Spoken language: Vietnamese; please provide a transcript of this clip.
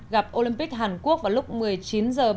gặp olympic hàn quốc vào lúc một mươi chín h ba mươi